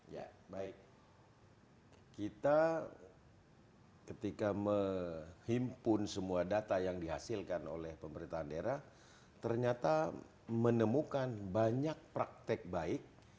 ya baik kita ketika menghimpun semua data yang dihasilkan oleh pemerintahan daerah ternyata menemukan banyak praktek baik